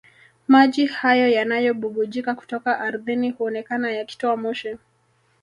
Maji hayo yanayobubujika kutoka ardhini huonekana yakitoa moshi